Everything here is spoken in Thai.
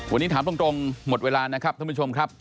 วันนี้ถามตรงหมดเวลานะครับท่านผู้ชมครับ